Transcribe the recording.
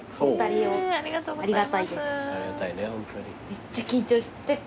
めっちゃ緊張して。